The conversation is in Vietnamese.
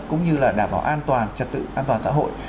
cũng như là đảm bảo an toàn trật tự an toàn xã hội